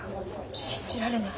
信じられない。